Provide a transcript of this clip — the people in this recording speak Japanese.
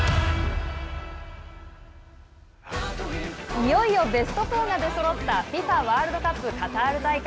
いよいよベスト４が出そろったＦＩＦＡワールドカップカタール大会。